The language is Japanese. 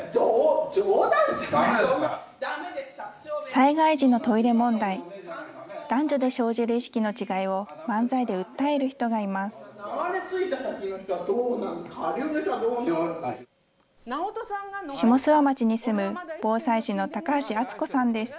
災害時のトイレ問題、男女で生じる意識の違いを、漫才で訴える人がいます。